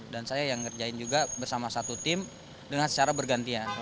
dan saya yang ngerjain juga bersama satu tim dengan secara bergantian